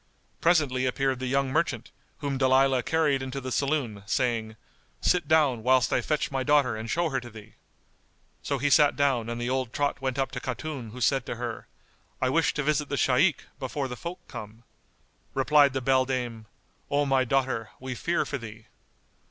Presently appeared the young merchant, whom Dalilah carried into the saloon, saying, "Sit down, whilst I fetch my daughter and show her to thee." So he sat down and the old trot went up to Khatun who said to her, "I wish to visit the Shaykh, before the folk come." Replied the beldame, "O my daughter, we fear for thee."